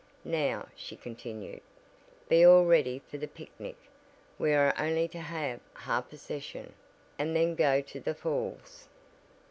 "Now," she continued, "be all ready for the picnic. We are only to have a half session, and then go to the Falls."